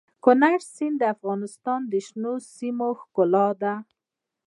کندز سیند د افغانستان د شنو سیمو ښکلا ده.